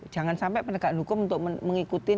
jangan sampai penegakan hukum untuk mengikuti tuntutan